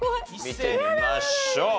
見てみましょう。